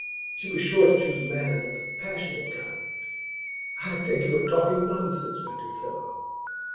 She was sure to choose a man of the passionate kind.' 'I think you are talking nonsense, my dear fellow.